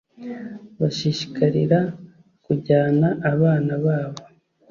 bashishikarira kujyana abana babo